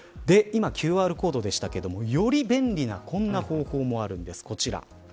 今、ＱＲコードでしたけれどもより便利なこんな方法もあるんです。